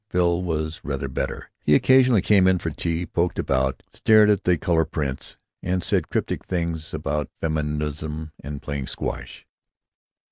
Phil was rather better. He occasionally came in for tea, poked about, stared at the color prints, and said cryptic things about feminism and playing squash.